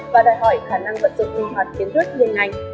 và đòi hỏi khả năng vận dụng minh hoạt kiến thức liên ngành